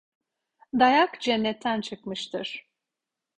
Dayak cennetten çıkmıştır.